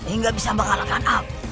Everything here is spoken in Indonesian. dia tidak bisa mengalahkan aku